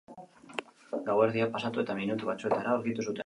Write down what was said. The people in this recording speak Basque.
Gauerdia pasatu eta minutu batzuetara aurkitu zuten.